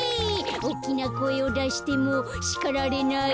おっきなこえをだしてもしかられない。